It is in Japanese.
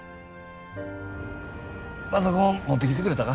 パソコン持ってきてくれたか？